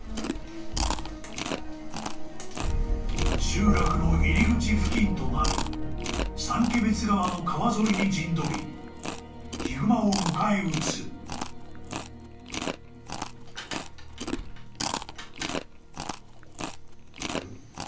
［集落の入り口付近となる三毛別川の川沿いに陣取りヒグマを迎え撃つ］ん？